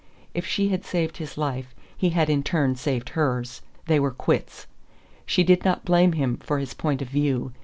If she had saved his life he had in turn saved hers; they were quits. She did not blame him for his point of view.